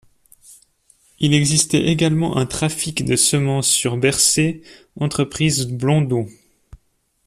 Il existait également un trafic de semences sur Bersée, entreprise Blondeau.